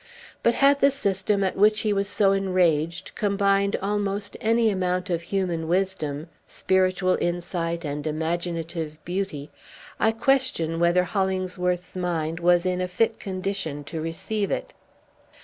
But had the system at which he was so enraged combined almost any amount of human wisdom, spiritual insight, and imaginative beauty, I question whether Hollingsworth's mind was in a fit condition to receive it.